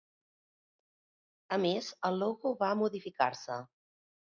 A més, el logo va modificar-se.